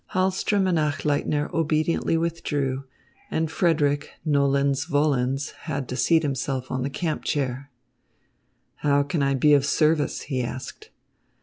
Hahlström and Achleitner obediently withdrew, and Frederick nolens volens had to seat himself on the camp chair. "How can I be of service?" he asked.